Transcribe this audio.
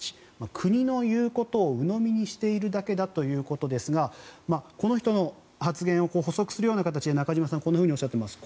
国の言うことをうのみにしているだけだということですがこの人の発言を補足するような形で中島さん、こんなふうにおっしゃっています。